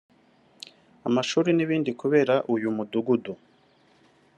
amashuri n’ibindi kubera uyu mudugudu